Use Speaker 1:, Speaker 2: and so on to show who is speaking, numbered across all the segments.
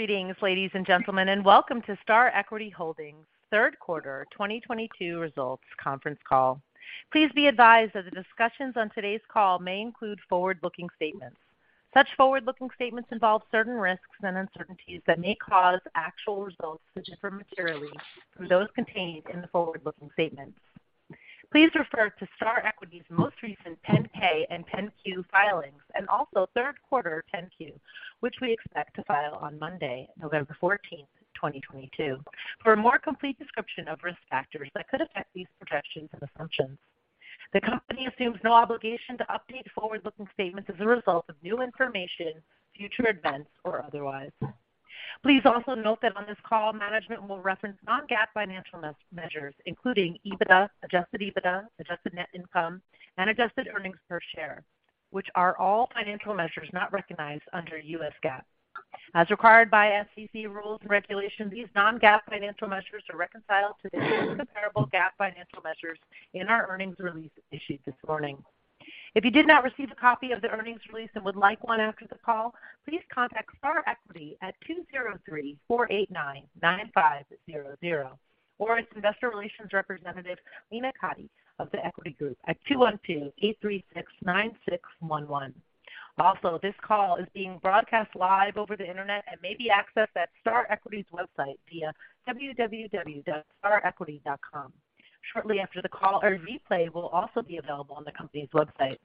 Speaker 1: Greetings, ladies and gentlemen, and welcome to Star Equity Holdings third quarter 2022 results conference call. Please be advised that the discussions on today's call may include forward-looking statements. Such forward-looking statements involve certain risks and uncertainties that may cause actual results to differ materially from those contained in the forward-looking statements. Please refer to Star Equity's most recent 10-K and 10-Q filings, and also third quarter 10-Q, which we expect to file on Monday, November 14th, 2022, for a more complete description of risk factors that could affect these projections and assumptions. The company assumes no obligation to update forward-looking statements as a result of new information, future events, or otherwise. Please also note that on this call, management will reference non-GAAP financial measures, including EBITDA, adjusted EBITDA, adjusted net income, and adjusted earnings per share, which are all financial measures not recognized under U.S. GAAP. As required by SEC rules and regulations, these non-GAAP financial measures are reconciled to their comparable GAAP financial measures in our earnings release issued this morning. If you did not receive a copy of the earnings release and would like one after the call, please contact Star Equity at 203-489-9500, or its investor relations representative, Lena Cati of The Equity Group at 212-836-9611. Also, this call is being broadcast live over the Internet and may be accessed at Star Equity's website via www.starequity.com. Shortly after the call, a replay will also be available on the company's website.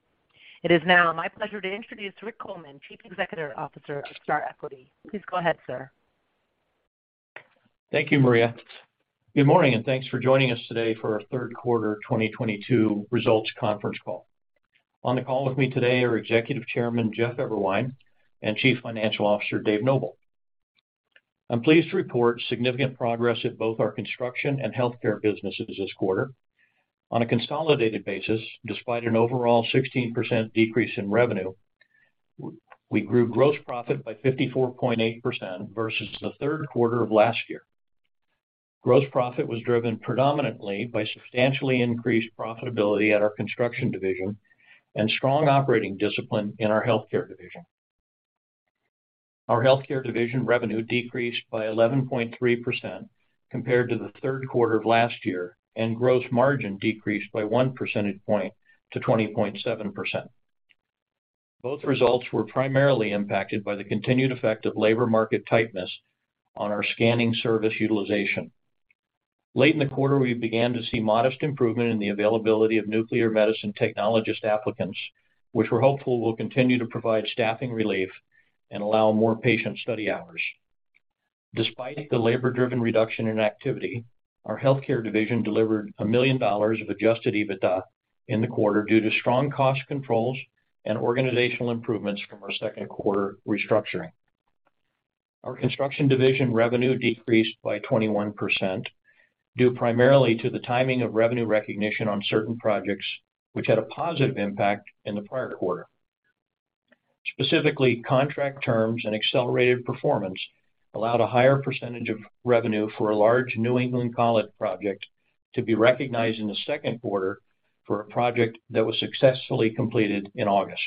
Speaker 1: It is now my pleasure to introduce Richard Coleman, Chief Executive Officer of Star Equity. Please go ahead, sir.
Speaker 2: Thank you, Maria. Good morning, and thanks for joining us today for our third quarter 2022 results conference call. On the call with me today are Executive Chairman Jeff Eberwein and Chief Financial Officer David Noble. I'm pleased to report significant progress at both our construction and healthcare businesses this quarter. On a consolidated basis, despite an overall 16% decrease in revenue, we grew gross profit by 54.8% versus the third quarter of last year. Gross profit was driven predominantly by substantially increased profitability at our construction division and strong operating discipline in our healthcare division. Our healthcare division revenue decreased by 11.3% compared to the third quarter of last year, and gross margin decreased by one percentage point to 20.7%. Both results were primarily impacted by the continued effect of labor market tightness on our scanning service utilization. Late in the quarter, we began to see modest improvement in the availability of nuclear medicine technologist applicants, which we're hopeful will continue to provide staffing relief and allow more patient study hours. Despite the labor-driven reduction in activity, our healthcare division delivered $1 million of adjusted EBITDA in the quarter due to strong cost controls and organizational improvements from our second quarter restructuring. Our construction division revenue decreased by 21%, due primarily to the timing of revenue recognition on certain projects which had a positive impact in the prior quarter. Specifically, contract terms and accelerated performance allowed a higher percentage of revenue for a large New England college project to be recognized in the second quarter for a project that was successfully completed in August.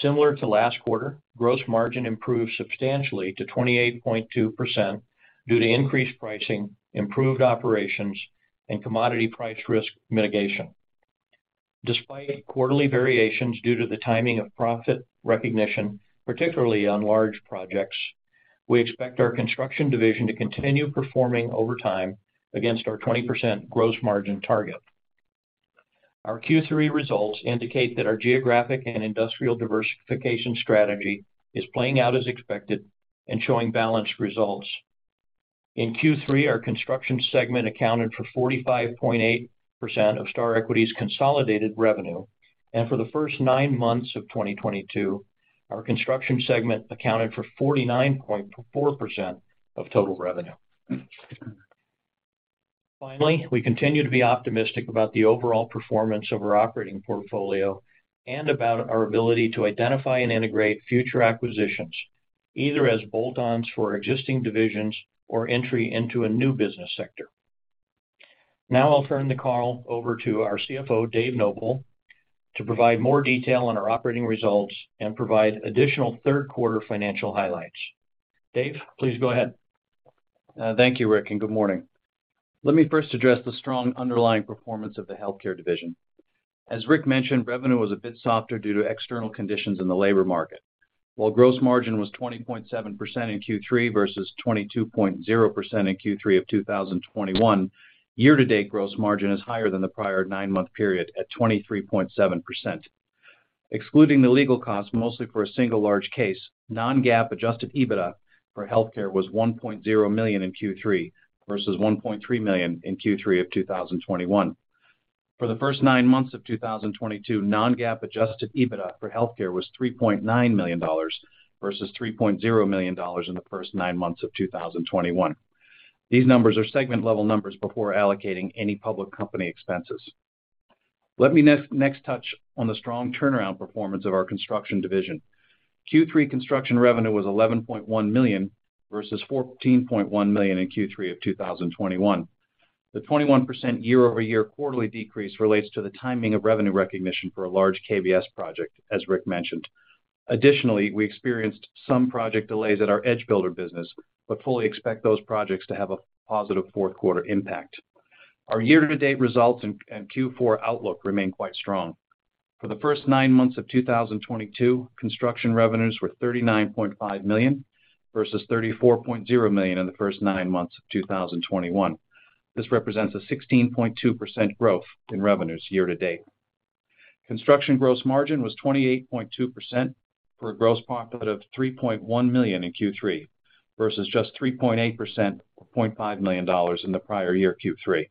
Speaker 2: Similar to last quarter, gross margin improved substantially to 28.2% due to increased pricing, improved operations, and commodity price risk mitigation. Despite quarterly variations due to the timing of profit recognition, particularly on large projects, we expect our construction division to continue performing over time against our 20% gross margin target. Our Q3 results indicate that our geographic and industrial diversification strategy is playing out as expected and showing balanced results. In Q3, our construction segment accounted for 45.8% of Star Equity's consolidated revenue. For the first nine months of 2022, our construction segment accounted for 49.4% of total revenue. Finally, we continue to be optimistic about the overall performance of our operating portfolio and about our ability to identify and integrate future acquisitions, either as bolt-ons for existing divisions or entry into a new business sector. Now I'll turn the call over to our CFO, David Noble, to provide more detail on our operating results and provide additional third quarter financial highlights. Dave, please go ahead.
Speaker 3: Thank you, Rick, and good morning. Let me first address the strong underlying performance of the healthcare division. As Rick mentioned, revenue was a bit softer due to external conditions in the labor market. While gross margin was 20.7% in Q3 versus 22.0% in Q3 of 2021, year-to-date gross margin is higher than the prior nine-month period at 23.7%. Excluding the legal costs, mostly for a single large case, non-GAAP adjusted EBITDA for healthcare was $1.0 million in Q3 versus $1.3 million in Q3 of 2021. For the first nine months of 2022, non-GAAP adjusted EBITDA for healthcare was $3.9 million versus $3.0 million in the first nine months of 2021. These numbers are segment-level numbers before allocating any public company expenses. Let me next touch on the strong turnaround performance of our construction division. Q3 construction revenue was $11.1 million versus $14.1 million in Q3 of 2021. The 21% year-over-year quarterly decrease relates to the timing of revenue recognition for a large KBS project, as Rick mentioned. Additionally, we experienced some project delays at our EdgeBuilder business, but fully expect those projects to have a positive fourth quarter impact. Our year-to-date results and Q4 outlook remain quite strong. For the first nine months of 2022, construction revenues were $39.5 million, versus $34.0 million in the first nine months of 2021. This represents a 16.2% growth in revenues year to date. Construction gross margin was 28.2% for a gross profit of $3.1 million in Q3, versus just 3.8%, or $0.5 million in the prior year, Q3.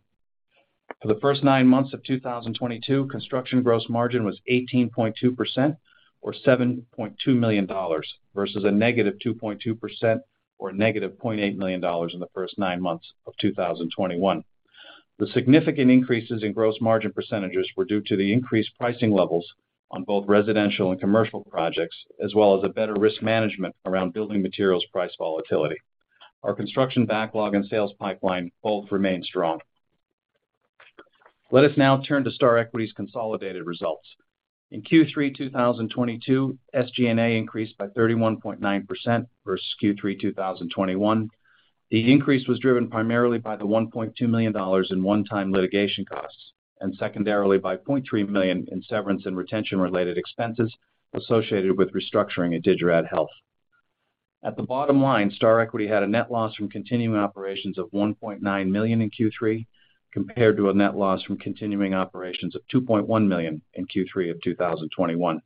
Speaker 3: For the first nine months of 2022, construction gross margin was 18.2% or $7.2 million versus a negative 2.2% or -$0.8 million in the first nine months of 2021. The significant increases in gross margin percentages were due to the increased pricing levels on both residential and commercial projects, as well as a better risk management around building materials price volatility. Our construction backlog and sales pipeline both remain strong. Let us now turn to Star Equity's consolidated results. In Q3 2022, SG&A increased by 31.9% versus Q3 2021. The increase was driven primarily by the $1.2 million in one-time litigation costs, and secondarily by $0.3 million in severance and retention-related expenses associated with restructuring at Digirad Health. At the bottom line, Star Equity had a net loss from continuing operations of $1.9 million in Q3 compared to a net loss from continuing operations of $2.1 million in Q3 of 2021.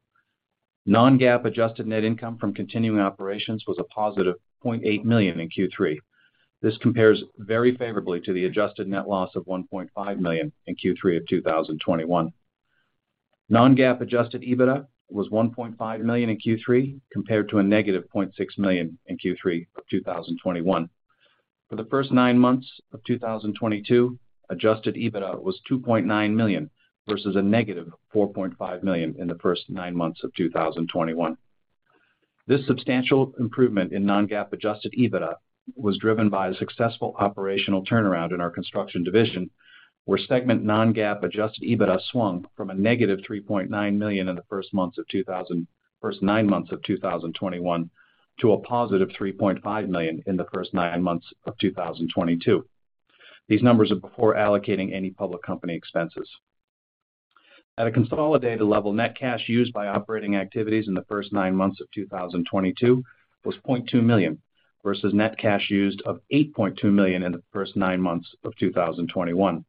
Speaker 3: Non-GAAP adjusted net income from continuing operations was a positive $0.8 million in Q3. This compares very favorably to the adjusted net loss of $1.5 million in Q3 of 2021. Non-GAAP adjusted EBITDA was $1.5 million in Q3 compared to a -$0.6 million in Q3 of 2021. For the first nine months of 2022, adjusted EBITDA was $2.9 million, versus a negative $4.5 million in the first nine months of 2021. This substantial improvement in non-GAAP adjusted EBITDA was driven by a successful operational turnaround in our construction division, where segment non-GAAP adjusted EBITDA swung from a -$3.9 million in the first nine months of 2021 to a +$3.5 million in the first nine months of 2022. These numbers are before allocating any public company expenses. At a consolidated level, net cash used by operating activities in the first nine months of 2022 was $0.2 million, versus net cash used of $8.2 million in the first nine months of 2021.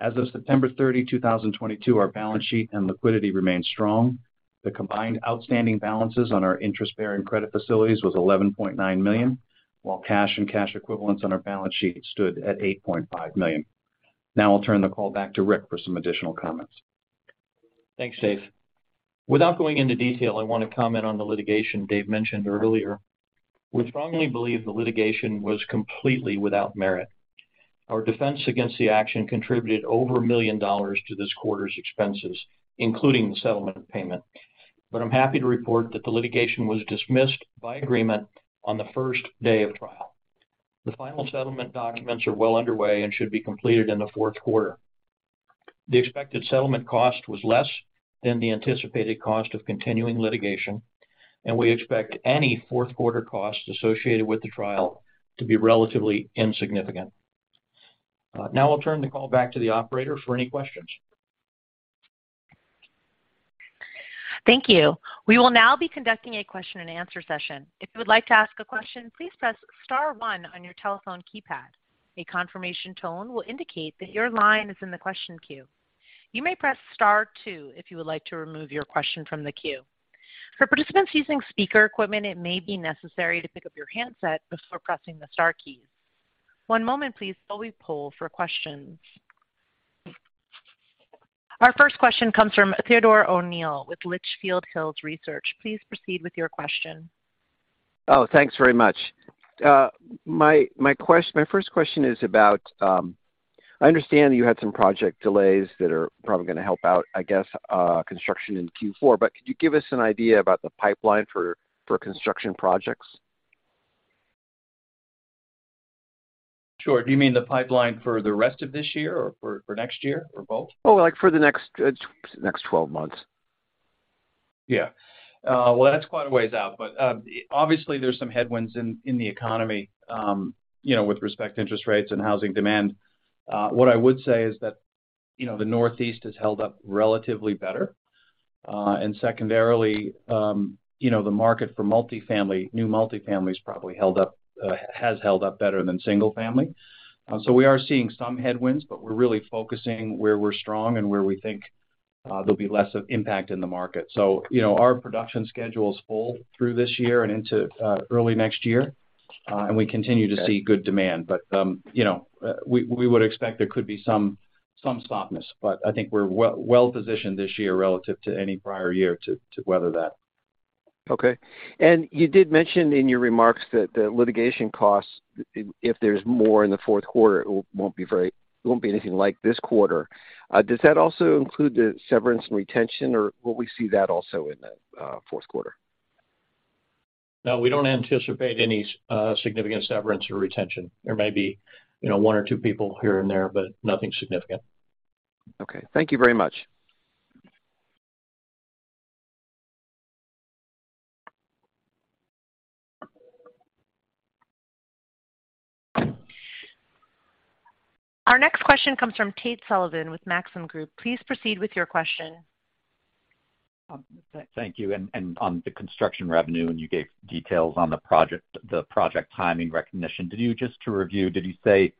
Speaker 3: As of September 30, 2022, our balance sheet and liquidity remain strong. The combined outstanding balances on our interest-bearing credit facilities was $11.9 million, while cash and cash equivalents on our balance sheet stood at $8.5 million. Now I'll turn the call back to Rick for some additional comments.
Speaker 2: Thanks, Dave. Without going into detail, I wanna comment on the litigation Dave mentioned earlier. We strongly believe the litigation was completely without merit. Our defense against the action contributed over $1 million to this quarter's expenses, including the settlement payment. I'm happy to report that the litigation was dismissed by agreement on the first day of trial. The final settlement documents are well underway and should be completed in the fourth quarter. The expected settlement cost was less than the anticipated cost of continuing litigation, and we expect any fourth quarter costs associated with the trial to be relatively insignificant. Now I'll turn the call back to the operator for any questions.
Speaker 1: Thank you. We will now be conducting a question and answer session. If you would like to ask a question, please press star one on your telephone keypad. A confirmation tone will indicate that your line is in the question queue. You may press star two if you would like to remove your question from the queue. For participants using speaker equipment, it may be necessary to pick up your handset before pressing the star keys. One moment please while we poll for questions. Our first question comes from Theodore O'Neill with Litchfield Hills Research. Please proceed with your question.
Speaker 4: Oh, thanks very much. My first question is about, I understand you had some project delays that are probably gonna help out, I guess, construction in Q4. Could you give us an idea about the pipeline for construction projects?
Speaker 3: Sure. Do you mean the pipeline for the rest of this year or for next year, or both?
Speaker 4: Oh, like, for the next 12 months.
Speaker 3: Yeah. Well, that's quite a ways out, but obviously there's some headwinds in the economy, you know, with respect to interest rates and housing demand. What I would say is that, you know, the Northeast has held up relatively better. Secondarily, you know, the market for multifamily, new multifamily has probably held up better than single family. We are seeing some headwinds, but we're really focusing where we're strong and where we think there'll be less of impact in the market. You know, our production schedule is full through this year and into early next year, and we continue to see good demand. You know, we would expect there could be some softness. I think we're well positioned this year relative to any prior year to weather that.
Speaker 4: Okay. You did mention in your remarks that the litigation costs, if there's more in the fourth quarter, it won't be anything like this quarter. Does that also include the severance and retention, or will we see that also in the fourth quarter?
Speaker 2: No, we don't anticipate any significant severance or retention. There may be, you know, one or two people here and there, but nothing significant.
Speaker 4: Okay. Thank you very much.
Speaker 1: Our next question comes from Tate Sullivan with Maxim Group. Please proceed with your question.
Speaker 5: Thank you. On the construction revenue, you gave details on the project, the project timing recognition. Just to review, did you say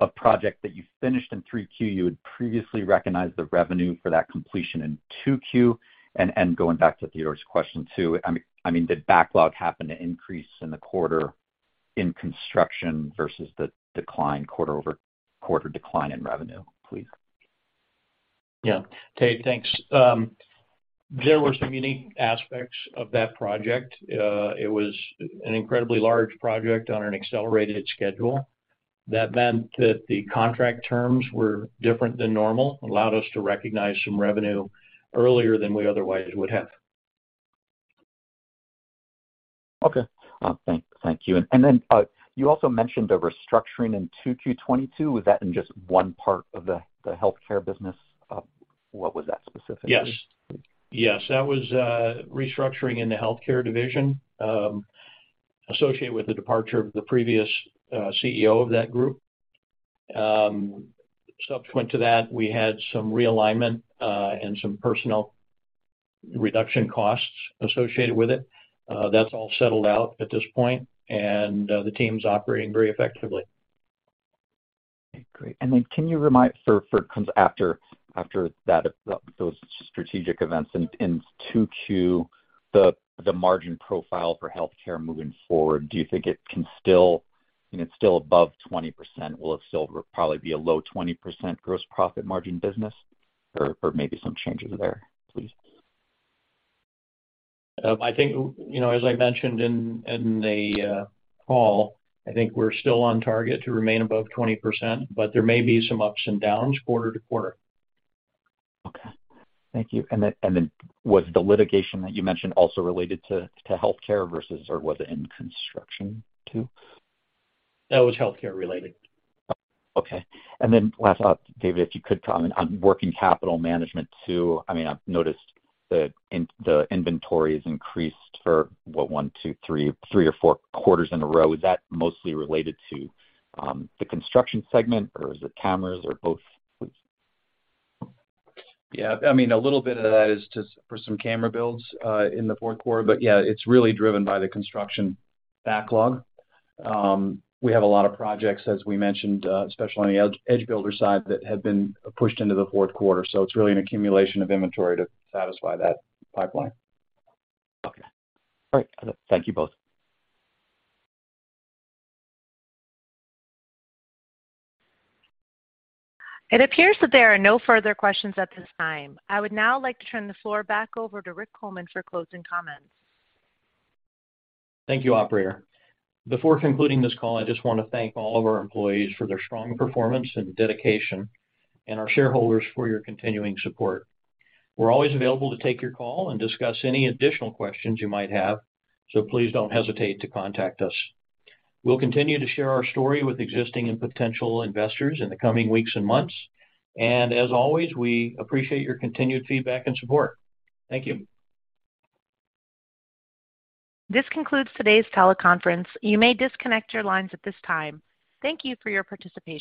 Speaker 5: a project that you finished in 3Q, you had previously recognized the revenue for that completion in 2Q? Going back to Theodore's question too, I mean, did backlog happen to increase in the quarter in construction versus the decline quarter-over-quarter decline in revenue, please?
Speaker 2: Yeah. Tate, thanks. There were some unique aspects of that project. It was an incredibly large project on an accelerated schedule. That meant that the contract terms were different than normal, allowed us to recognize some revenue earlier than we otherwise would have.
Speaker 5: Okay. Thank you. You also mentioned the restructuring in 2Q 2022. Was that in just one part of the healthcare business? What was that specifically?
Speaker 2: Yes. Yes. That was restructuring in the healthcare division associated with the departure of the previous CEO of that group. Subsequent to that, we had some realignment and some personnel reduction costs associated with it. That's all settled out at this point, and the team's operating very effectively.
Speaker 5: Okay, great. What comes after those strategic events in 2Q, the margin profile for healthcare moving forward, do you think it can still, you know, it's still above 20%. Will it still probably be a low 20% gross profit margin business or maybe some changes there, please?
Speaker 2: I think, you know, as I mentioned in the call, I think we're still on target to remain above 20%, but there may be some ups and downs quarter to quarter.
Speaker 5: Okay. Thank you. Was the litigation that you mentioned also related to healthcare versus or was it in construction too?
Speaker 2: That was healthcare related.
Speaker 5: Okay. Last up, David, if you could comment on working capital management too. I mean, I've noticed the in the inventory has increased for what? one, two, three, or four quarters in a row. Is that mostly related to the construction segment or is it cameras or both? Please.
Speaker 3: Yeah. I mean, a little bit of that is just for some camera builds in the fourth quarter. Yeah, it's really driven by the construction backlog. We have a lot of projects, as we mentioned, especially on the EdgeBuilder side that have been pushed into the fourth quarter. It's really an accumulation of inventory to satisfy that pipeline.
Speaker 5: Okay. All right. Thank you both.
Speaker 1: It appears that there are no further questions at this time. I would now like to turn the floor back over to Richard Coleman for closing comments.
Speaker 2: Thank you, operator. Before concluding this call, I just wanna thank all of our employees for their strong performance and dedication and our shareholders for your continuing support. We're always available to take your call and discuss any additional questions you might have, so please don't hesitate to contact us. We'll continue to share our story with existing and potential investors in the coming weeks and months. As always, we appreciate your continued feedback and support. Thank you.
Speaker 1: This concludes today's teleconference. You may disconnect your lines at this time. Thank you for your participation.